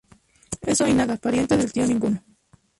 Eso y nada, pariente del tío ninguno